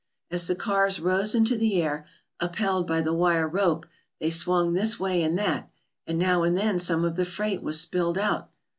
As the cars rose into the air, upheld by the wire rope, they swung this way and that, and now and then some of the freight was spilled out.